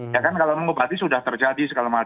ya kan kalau mengobati sudah terjadi segala macam